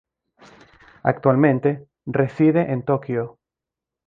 Actualmente, reside en Tokio.